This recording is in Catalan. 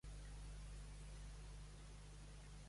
Realitzant-se una impressió en el paper anomenada estampa.